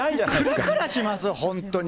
くらくらします、本当に。